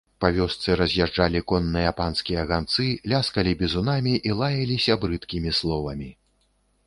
Па вёсцы раз'язджалі конныя панскія ганцы, ляскалі бізунамі і лаяліся брыдкімі словамі.